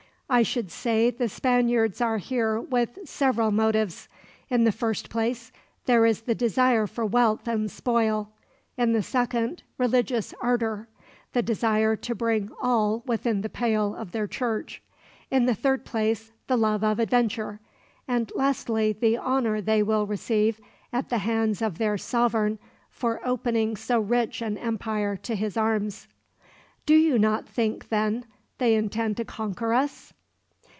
I should say the Spaniards are here with several motives. In the first place, there is the desire for wealth and spoil; in the second, religious ardor the desire to bring all within the pale of their Church; in the third place, the love of adventure; and, lastly, the honor they will receive, at the hands of their sovereign, for opening so rich an empire to his arms." "You do not think, then, they intend to conquer us?"